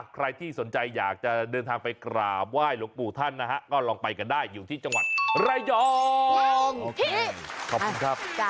ใครที่สนใจอยากจะเดินทางไปกราบไหว้หลวงปู่ท่านนะฮะก็ลองไปกันได้อยู่ที่จังหวัดระยองโอเคขอบคุณครับ